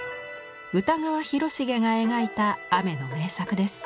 歌川広重が描いた雨の名作です。